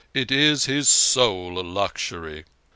It is his sole luxury."